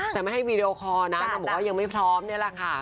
แต่ไม่ให้วีดีโอคอร์นะนางบอกว่ายังไม่พร้อมนี่แหละค่ะ